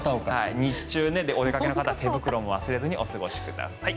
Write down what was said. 日中、お出かけの方は手袋も忘れずにお過ごしください。